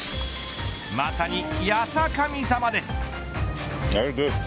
まさに優神様です。